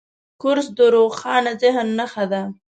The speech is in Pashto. کورس د روښانه ذهن نښه ده.